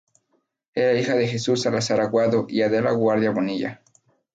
Era hija de Jesús Salazar Aguado y Adela Guardia Bonilla.